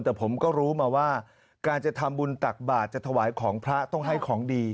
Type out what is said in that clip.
แต่ผมก็รู้มาว่าการจะทำบุญตักบาทจะถวายของพระต้องให้ของดี